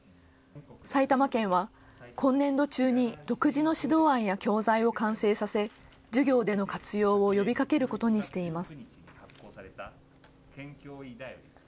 埼玉県は今年度中に独自の指導案や教材を完成させ、授業での活用を呼びかけることにしています。